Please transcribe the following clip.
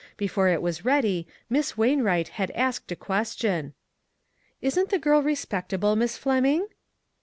Before it was ready, Miss Wainwright had asked a ques tion : "Isn't the girl respectable, Miss Flem ing?"